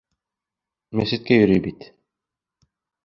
Мәсеткә йөрөй бит.